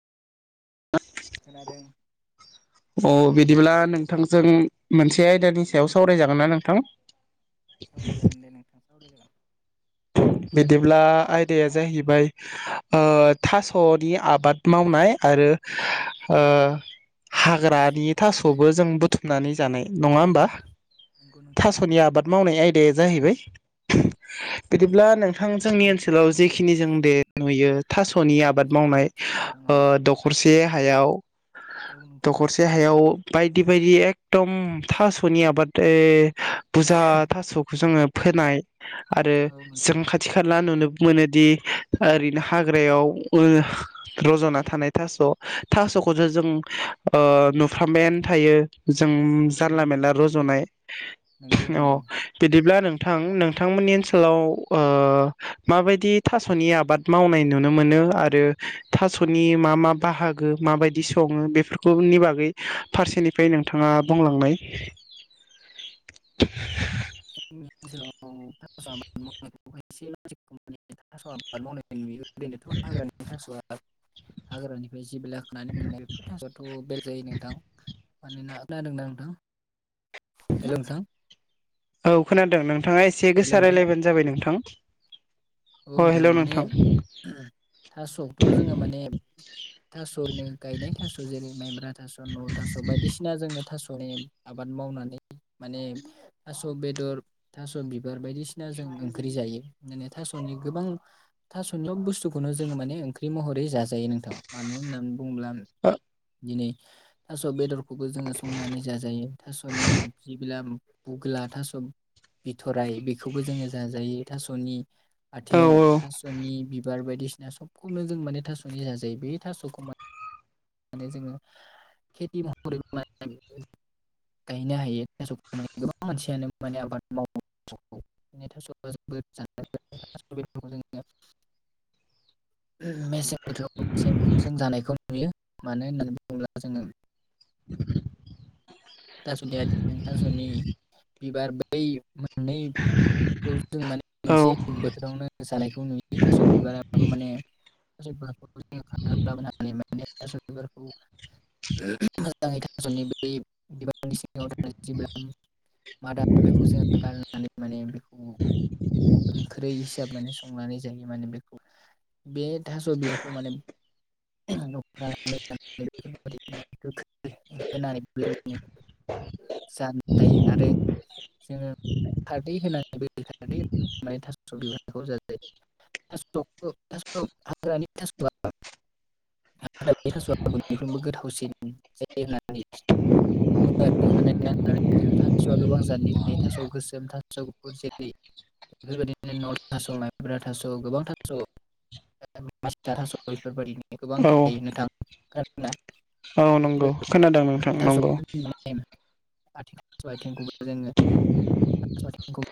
खोनादों। अ बिदिब्ला नोंथांजों मोनसे आयदानि सायाव सावरायजागोन ना नोंथां। सावरायायागोन दे नोंथां सावराय जागोन। बिदिब्ला आयदाया जाहैबाय। ओ थासनि आबाद मावनाय आरो ओ हाग्रानि थासबो जों बुथुमनानै जानाय नङा होमबा। नंगौ नोंथां थासनि नंगौ आबाद मावनाय आयदाया जाहैबाय। बिदिब्ला नों थां नंगौ जोंनि नोंथां ओनसोलाव जेखिनि जों दे नुयो थासनि आबाद मावनाय औ ओ दख हरसे हायाव औ नोंथां दखरसे। देहायाव बायदि बायदि एकदम थासनि आबाद बुजा थास'खौ जोङो फोनाय आरो औ नोंथां जों खाथ थि खाला नुनोबो मोनोदि ओरैनो हाग्रायाव ओ रज'ना थानाय थास' थास'खौथ' जों ओ नुफ्रामबायानो थायो। जों औ जानला नोंथां मेरला रज'नाय नंगौ अ नंगौ बिदिब्ला नोंथां नोंथांमोननि आनसो लाव ओ माबायदि थास'नि आबाद मावनाय नुनो मोनो आरो थास'नि मा मा बाहागो माबायदि सङो बेफोरखौनि बागै फारसेनिफ्राय नोंथाङा बुंलांनाय। [unintelligible] थास' आबाद मावनाय नुयो ओरैनोथ' हाग्रानि थास' हाग्रानि [unintelligible] खानानै मोननाय बेफोर थास'आथ' बेलेग जायो नोंथां। मानोना खोनादों ना नोंथां हेलौ नोंथां? औ खोनादों नोंथाङा एसे हेल' गोसा नोंथां राय्लायबानो जाबाय नोंथां। औ अ नोंथां हेल' माने थासखौथ' जोङो माने थास'यैनो गायनाय थास' जेरै माइब्रा थास' न'ल थास' बायदिसिना जोंनो थास'नि आबाद मावनानै माने थास' बेदर थास' बिबार बायदिसिना जों ओंख्रि जायो माने थास' नि गोबां थास'नि सब बुस्थुखौनो जोङो माने ओंख्रि महरै जाजायो नोंथां मानो होननानै बुंब्ला औ [unintelligible] दिनै थास' बेदरखौबो जोङो संनानै जाजायो थास'नि जिबिला बुग्ला थास' बिथ'राय बेखौबो जोङो जाजायो थास'नि। आथिं औ थास'नि बिबार बायदिसिना सबखौनो जों माने थास'नि जाजायो बे थास'खौ मान माने जोङो खेथि महरै [unintelligible] गायनो हायो थास'खौ माने गोबां मानसियानो माने आबाद मावो। [unintelligible] [inaudible] मेसें बोथोराव बांसिन जों जानायखौ नुयो मानो होननानै बुङोब्ला जोङो [unintelligible] थास'नि आयथें थास'नि बिबार बै मोननैखौ जों माने औ मोनसे बोथोरावनो जानायखौ नुयो थास' बिबारा माने [unintelligible] मोजाङै थास'नि बै बिबारनि सिङाव थानाय जेब्ला मादा बेखौ जोङो गाननानै माने बेखौ ओंख्रै हिसाब माने संनानै जायो माने बेखौ बे थास' बिबारखौ माने [unintelligible] जानाय आरो जोङो खारदै होनानै बे खारदै थास' बिबारखौ जाजायो। [unintelligible] हाग्रानि थास'आ बयनिफ्रोमबो गोथावसिन जायो होननानै बुङो आरो [unintelligible] होननानै थास'आ गोबां जादनि थायो थास' गोसोम थास' गुफुर जेरै बेफोरबायदिनो नल थास माइब्रा थास' गोबां थास' औ [unintelligible] औ नंगौ खोनादों नोंथां थास' नंगौ। [unintelligible] थास' आथिंखौबो जोङो थास' आथिंखौ